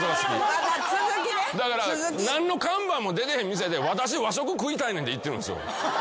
だから何の看板も出てへん店で私和食食いたいねんっていってるんですよ。